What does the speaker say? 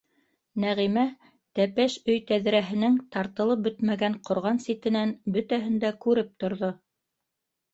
Нәғимә тәпәш өй тәҙрәһенең тартылып бөтмәгән ҡорғаны ситенән бөтәһен дә күреп торҙо.